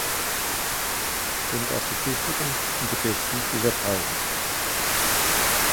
Sind das die Tüchtigen und die Besten, die wir brauchen?